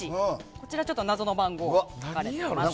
こちら謎の番号が書かれています。